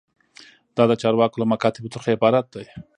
دا د چارواکو له مکاتیبو څخه عبارت دی.